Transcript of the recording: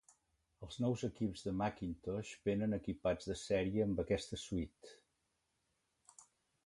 Els nous equips de Macintosh vénen equipats de sèrie amb aquesta suite.